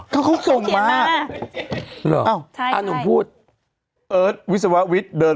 คือตอนที่๘กับเจม